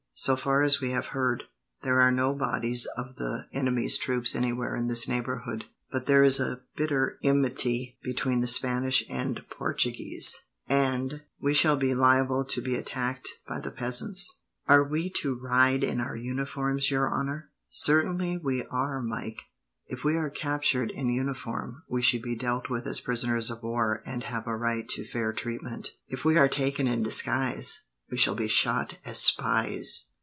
"So far as we have heard, there are no bodies of the enemy's troops anywhere in this neighbourhood, but there is a bitter enmity between the Spanish and Portuguese, and we shall be liable to be attacked by the peasants." "Are we to ride in our uniforms, your honour?" "Certainly we are, Mike. If we are captured in uniform, we should be dealt with as prisoners of war and have a right to fair treatment. If we are taken in disguise, we shall be shot as spies."